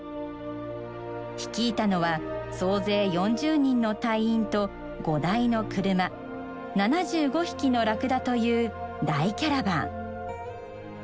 率いたのは総勢４０人の隊員と５台の車７５匹のラクダという大キャラバン。